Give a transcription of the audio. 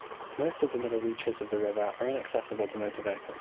Most of the middle reaches of the river are inaccessible to motor vehicles.